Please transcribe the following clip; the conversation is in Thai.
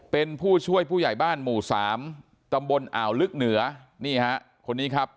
เป็นผู้ช่วยผู้ใหญ่บ้านหมู่สามตำบลอ่าวลึกเหนือนี่ฮะคนนี้ครับ